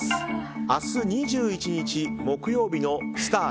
明日、２１日木曜日のスター☆